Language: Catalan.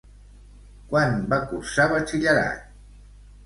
Quan va cursar batxillerat?